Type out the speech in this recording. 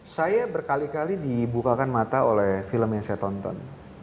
saya berkali kali dibukakan mata oleh film yang saya tonton